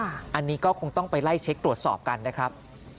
อันนี้ก็คงต้องไปไล่เช็คตรวจสอบกันนะครับ